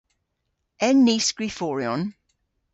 En ni skriforyon?